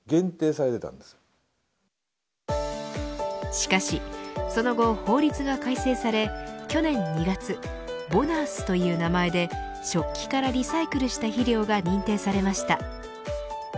しかしその後法律が改正され去年２月ボナースという名前で食器からリサイクルした肥料が認定されました。